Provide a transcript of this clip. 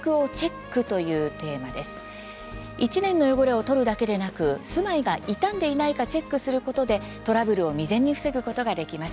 １年の汚れを取るだけでなく住まいが傷んでいないかチェックすることでトラブルを未然に防ぐことができます。